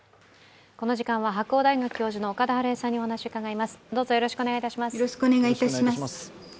この時間は、白鴎大学教授の岡田晴恵さんにお話を伺います。